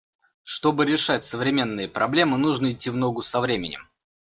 Чтобы решать современные проблемы, нужно идти в ногу со временем.